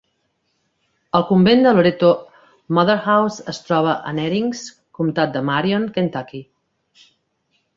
El convent de Loretto Motherhouse es troba a Nerinx, comtat de Marion, Kentucky.